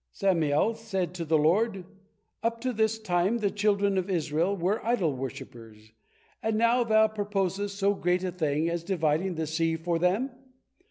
Samael said to the Lord: "Up to this time the children of Israel were idol worshippers, and now Thou proposest so great a thing as dividing the sea for them?"